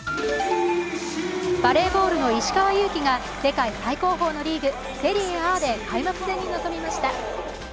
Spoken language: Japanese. バレーボールの石川祐希が世界最高峰のリーグセリエＡで開幕戦に臨みました。